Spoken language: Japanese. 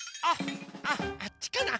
あっあっちかな。